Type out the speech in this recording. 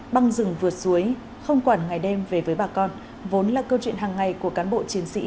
băng rừng vượt suối không quản ngày đêm về với bà con vốn là câu chuyện hàng ngày của cán bộ chiến sĩ